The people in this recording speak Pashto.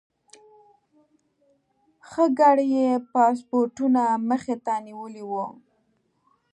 ښه ګړی یې پاسپورټونه مخې ته نیولي ول.